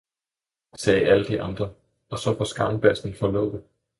sagde alle de andre, og så var skarnbassen forlovet.